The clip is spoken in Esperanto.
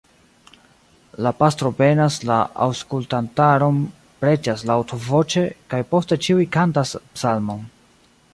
La pastro benas la aŭskultantaron, preĝas laŭtvoĉe, kaj poste ĉiuj kantas psalmon.